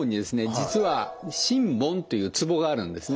実は神門というツボがあるんですね。